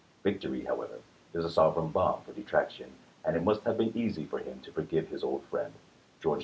Victory, however, is a sovereign balm for detraction; and it must have been easy for him to forgive his old friend George D.